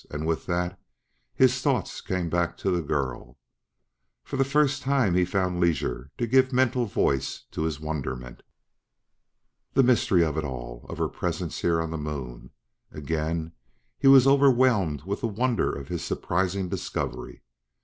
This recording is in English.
And, with that, his thoughts came back to the girl. For the first time he found leisure to give mental voice to his wonderment. The mystery of it all! of her presence here on the Moon! Again he was overwhelmed with the wonder of his surprising discovery.